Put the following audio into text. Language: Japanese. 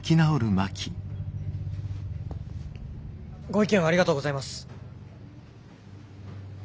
ご意見をありがとうございます。